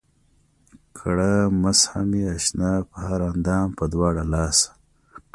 کړه مسحه مې اشنا پۀ هر اندام پۀ دواړه لاسه